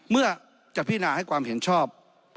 เมื่อจะพินาให้ความเห็นชอบ